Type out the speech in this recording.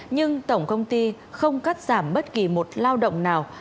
nhưng tổng công ty không cắt giảm bất kỳ một lao động nào